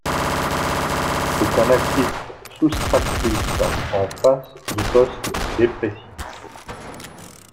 C'est un actif soustractif en face du poste déprécié.